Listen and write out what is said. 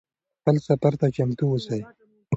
خپل سفر ته چمتو اوسئ.